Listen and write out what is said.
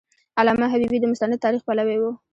علامه حبیبي د مستند تاریخ پلوی و.